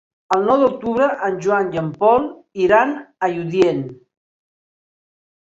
El nou d'octubre en Joan i en Pol iran a Lludient.